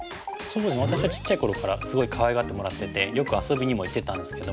私はちっちゃい頃からすごいかわいがってもらっててよく遊びにも行ってたんですけども。